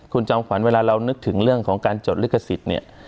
คุณจอมขวัญเวลาเรานึกถึงเรื่องของการจดลิขสิทธิ์เนี่ย